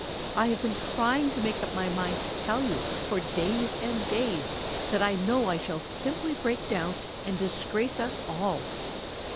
I have been trying to make up my mind to tell you for days and days, that I know I shall simply break down and disgrace us all."